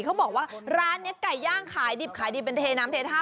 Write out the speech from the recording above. เขาบอกว่าร้านนี้ไก่ย่างขายดิบขายดีเป็นเทน้ำเททา